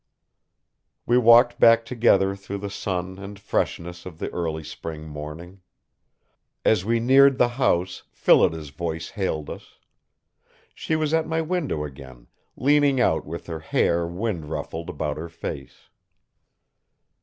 We walked back together through the sun and freshness of the early spring morning. As we neared the house Phillida's voice hailed us. She was at my window again, leaning out with her hair wind ruffled about her face.